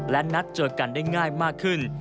และนัดเจอกันได้ง่ายมากขึ้น